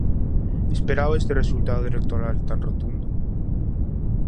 Esperaba este resultado electoral tan rotundo?